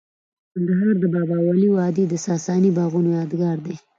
د کندهار د بابا ولی وادي د ساساني باغونو یادګار دی